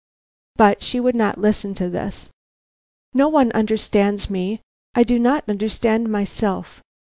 But she would not listen to this. "No one understands me. I do not understand myself.